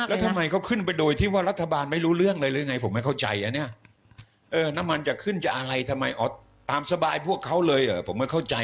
แล้วทำไมเขาขึ้นไปโดยที่ว่ารัฐบาลไม่รู้เรื่องเลยยังไงผมไม่เข้าใจ